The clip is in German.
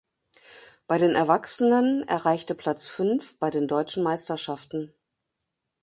Bei den Erwachsenen erreichte Platz fünf bei den Deutschen Meisterschaften.